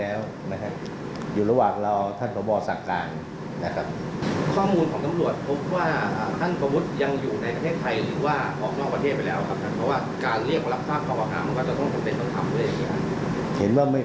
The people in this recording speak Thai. อายุความก็๑๐๑๕ปี